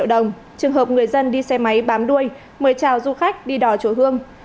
đồng trường hợp người dân đi xe máy bám đuôi mời chào du khách đi đò chỗ hương